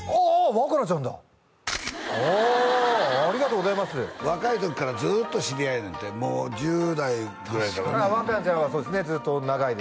若菜ちゃんだああありがとうございます若い時からずっと知り合いやねんて１０代ぐらいから若菜ちゃんはそうですねずっと長いですね